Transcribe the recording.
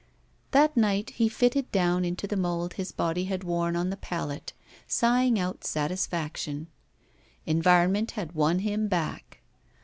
That night he fitted down into the mold his body had worn on the pallet, sighing out satisfaction. Environment had won him back.